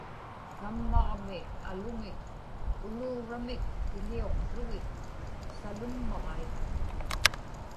kammagmi aluŋik uluuramik kiḷiuqługik salummaġaik